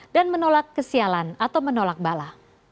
dan menolak kesialan atau menolak bala